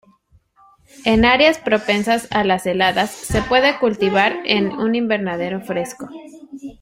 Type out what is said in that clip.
En áreas propensas a las heladas, se puede cultivar en un invernadero fresco.